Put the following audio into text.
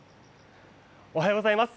おはようございます。